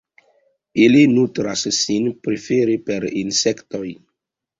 Ili nutras sin prefere per insektoj.